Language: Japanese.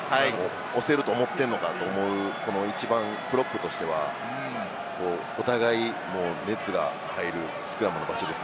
押せると思ってんのかという一番プロップとしては、お互い熱が入るスクラムの場所です。